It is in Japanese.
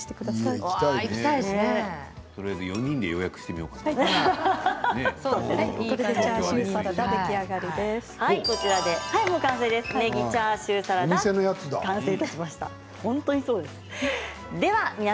とりあえず４人で予約してみようかな。